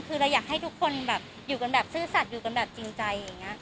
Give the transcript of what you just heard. คือเราอยากให้ทุกคนแบบอยู่กันแบบซื่อสัตว์อยู่กันแบบจริงใจอย่างนี้